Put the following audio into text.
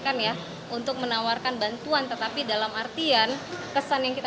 karena keheniannya tidak berhenti